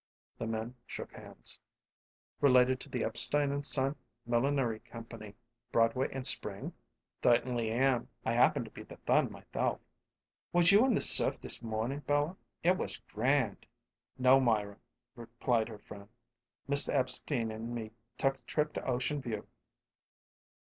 The men shook hands. "Related to the Epstein & Son Millinery Company, Broadway and Spring?" "Thertainly am. I happen to be the thon mythelf." "Was you in the surf this mornin', Bella? It was grand!" "No, Myra," replied her friend. "Mr. Epstein and me took a trip to Ocean View."